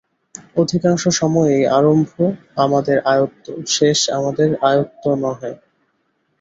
অধিকাংশ সময়েই আরম্ভ আমাদের আয়ত্ত, শেষ আমাদের আয়ত্ত নহে।